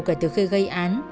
cả từ khi gây án